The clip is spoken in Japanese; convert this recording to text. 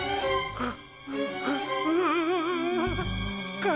あっ！